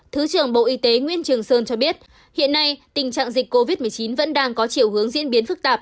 thứ trưởng bộ y tế nguyễn trường sơn cho biết hiện nay tình trạng dịch covid một mươi chín vẫn đang có chiều hướng diễn biến phức tạp